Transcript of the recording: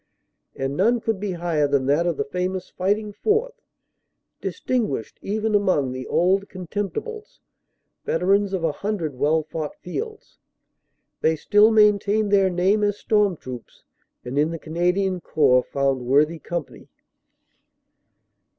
And none could be higher than that of the famous "Fighting Fourth," distin guished even among the "Old Contemptibles," veterans of a hundred well fought fields. They still maintained their name as "storm troops," and in the Canadian Corps found worthy company.